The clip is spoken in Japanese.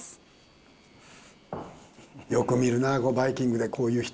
よく見るなバイキングでこういう人。